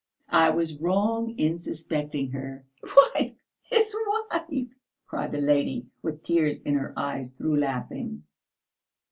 I was wrong in suspecting her." "Wife his wife!" cried the lady, with tears in her eyes through laughing.